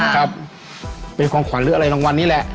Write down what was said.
ครับเป็นของขวัญหรืออะไรรางวัลนี้แหละ